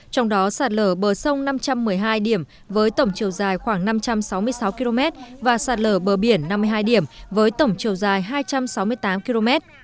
trong đó sạt lở bờ sông năm trăm một mươi hai điểm với tổng chiều dài khoảng năm trăm sáu mươi sáu km và sạt lở bờ biển năm mươi hai điểm với tổng chiều dài hai trăm sáu mươi tám km